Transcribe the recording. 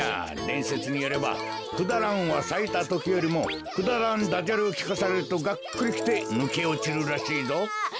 でんせつによればクダランはさいたときよりもくだらんダジャレをきかされるとがっくりきてぬけおちるらしいぞ。